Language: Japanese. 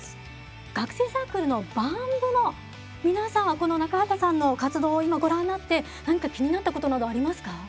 学生サークルのＢＡＭ部の皆さんはこの中畑さんの活動を今ご覧になって何か気になったことなどありますか？